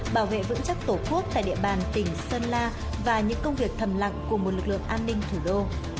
bảo vệ vững chắc tổ quốc tại địa bàn tỉnh sơn la và những công việc thầm lặng của một lực lượng an ninh thủ đô